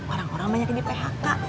orang orang banyak yang di phk